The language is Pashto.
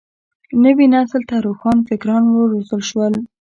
نوي نسل ته روښان فکران وروزل شول.